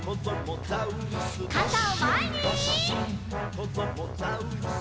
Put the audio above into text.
「こどもザウルス